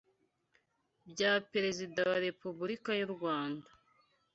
bya Perezida wa Repubulika y’u Rwanda